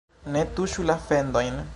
Ne tuŝu la fendojn